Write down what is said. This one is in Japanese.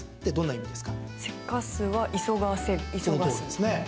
そうですね。